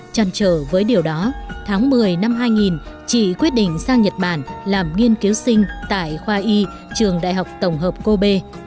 chăn trở với điều đó tháng một mươi năm hai nghìn chị quyết định sang nhật bản làm nghiên cứu sinh tại khoa y trường đại học tổng hợp cô bê